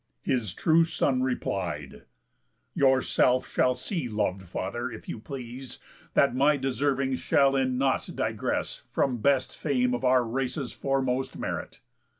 His true son replied: "Yourself shall see, lov'd father, if you please, That my deservings shall in nought digress From best fame of our race's foremost merit."